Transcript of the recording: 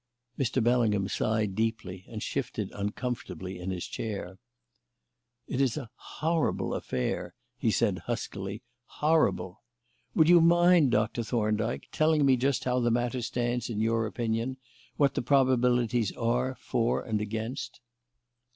Mr. Bellingham sighed deeply and shifted uncomfortably in his chair. "It is a horrible affair!" he said huskily; "horrible! Would you mind, Doctor Thorndyke, telling us just how the matter stands in your opinion what the probabilities are, for and against?"